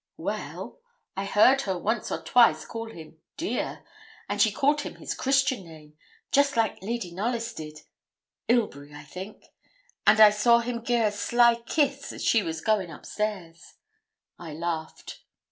'Well, I heard her once or twice call him "dear," and she called him his Christian name, just like Lady Knollys did Ilbury, I think and I saw him gi' her a sly kiss as she was going up stairs.' I laughed.